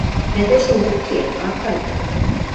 Тӹдӹжӹ уке, ак кай.